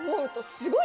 すごい！